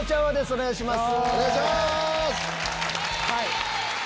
お願いします。